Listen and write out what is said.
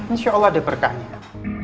insya allah ada berkahnya